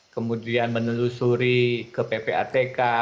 kemudian menelusuri ke ppatk